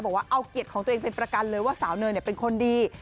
บอกว่าเอาเกียรติของตัวเองเป็นประกันเลยว่าสาวเนยเป็นคนดี